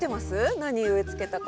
何植えつけたか。